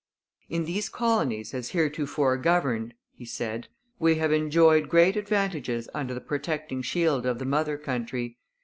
In these colonies as heretofore governed [he said] we have enjoyed great advantages under the protecting shield of the mother country.